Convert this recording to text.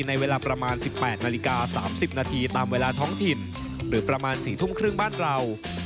ในเวลาประมาณ๑๘นาฬิกา๓๐นาทีตามเวลาท้องถิ่นหรือประมาณ๔ทุ่มครึ่งบ้านเรา